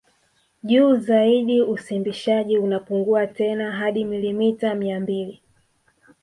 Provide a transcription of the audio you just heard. Juu zaidi usimbishaji unapungua tena hadi milimita mia mbili